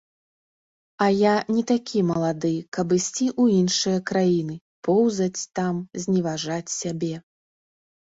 А я не такі малады, каб ісці ў іншыя краіны, поўзаць там, зневажаць сябе.